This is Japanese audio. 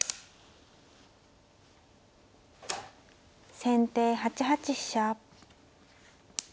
先手８八飛車。